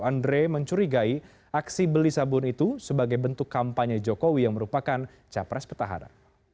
andre mencurigai aksi beli sabun itu sebagai bentuk kampanye jokowi yang merupakan capres petahana